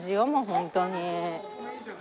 本当に？